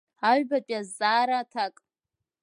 Аҩбатәи азҵаара аҭак.